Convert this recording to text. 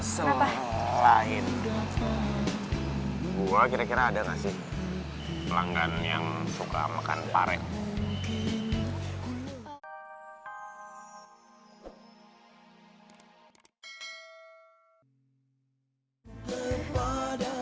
selain gue kira kira ada gak sih pelanggan yang suka makan pareng